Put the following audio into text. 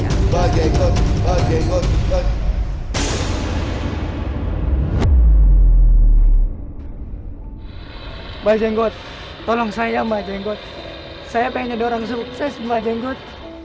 hai bajenggot tolong saya mba jenggot saya pengen dorong sukses mba jenggot